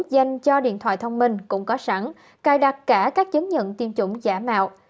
dành cho điện thoại thông minh cũng có sẵn cài đặt cả các chứng nhận tiêm chủng giả mạo